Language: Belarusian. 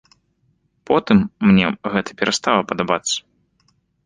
Потым мне гэта перастала падабаецца.